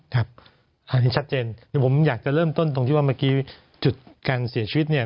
ครับอันนี้ชัดเจนเดี๋ยวผมอยากจะเริ่มต้นตรงที่ว่าเมื่อกี้จุดการเสียชีวิตเนี่ย